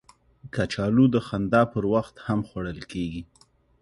کچالو د خندا پر وخت هم خوړل کېږي